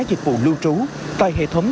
dịch vụ lưu trú tại hệ thống